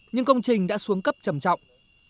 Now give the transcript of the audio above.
nhưng công trình đã xuống cấp trầm trọng